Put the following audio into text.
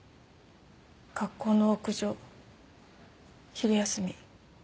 学校の屋上昼休み